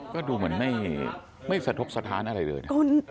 ก็ดูเหมือนไม่สะทกสถานอะไรเลยนะ